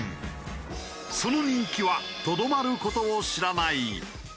その人気はとどまる事を知らない。